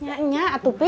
ya ya atu pi